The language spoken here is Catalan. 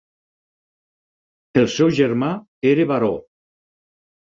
El seu germà era baró.